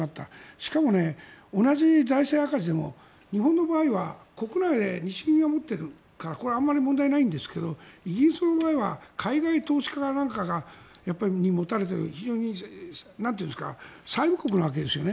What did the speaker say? しかも、同じ財政赤字でも日本の場合は国内で日銀が持っているからこれはあまり問題ないんですがイギリスの場合は海外投資家かなんかに持たれている債務国なわけですよね。